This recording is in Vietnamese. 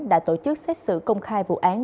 đã tổ chức xét xử công khai vụ án